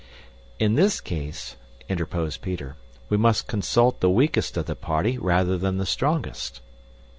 "In this case," interposed Peter, "we must consul the weakest of the party rather than the strongest."